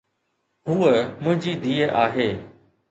ھوءَ منھنجي ڌيءَ آھي.